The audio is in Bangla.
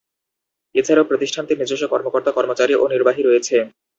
এছাড়াও প্রতিষ্ঠানটির নিজস্ব কর্মকর্তা কর্মচারী ও নির্বাহী রয়েছে।